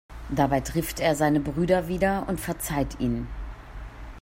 Dabei trifft er seine Brüder wieder und verzeiht ihnen.